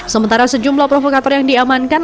sementara sejumlah provokator yang diamankan